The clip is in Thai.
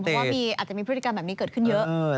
เพราะว่าอาจจะมีพฤติกรรมแบบนี้เกิดขึ้นเยอะ